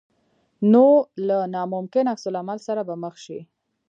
نو له ناممکن عکس العمل سره به مخ شې.